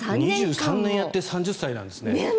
２３年やって３０歳なんですね。